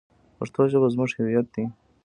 پښتو ژبه زموږ هویت دی.